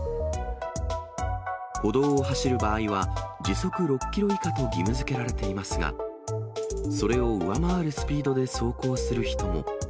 歩道を走る場合は、時速６キロ以下と義務づけられていますが、それを上回るスピードで走行する人も。